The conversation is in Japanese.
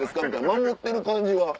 守ってる感じは。